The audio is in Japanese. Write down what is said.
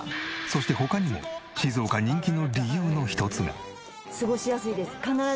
そして他にも静岡人気の理由の一つが。